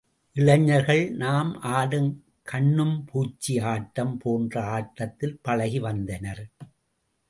இளைஞர்கள் நாம் ஆடும் கண்ணும்பூச்சி ஆட்டம் போன்ற ஆட்டத்தில் பழகி வந்தனர்.